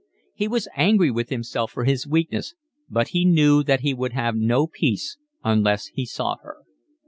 He was angry with himself for his weakness, but he knew that he would have no peace unless he saw her.